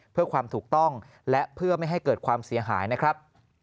เพื่อความถูกต้องและเพื่อไม่ให้เกิดความเสียหายนะครับ